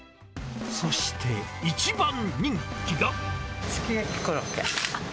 そして、一番人気が。